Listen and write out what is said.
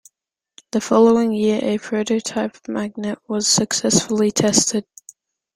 The following year a prototype magnet was successfully tested.